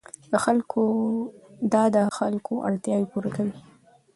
دا د خلکو اړتیاوې پوره کوي.